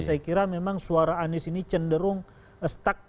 saya kira memang suara anies ini cenderung stuck